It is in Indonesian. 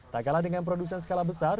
tak kalah dengan produsen skala besar